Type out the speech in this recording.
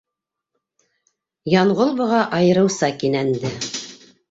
Янғол быға айырыуса кинәнде.